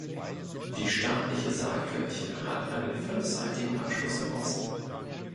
Die stattliche Saalkirche hat einen fünfseitigen Abschluss im Osten.